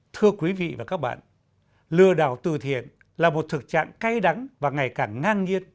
thưa quý vị và các bạn lừa đảo từ thiện là một thực trạng cay đắng và ngày càng ngang nhiên